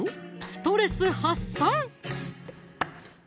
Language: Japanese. ストレス発散！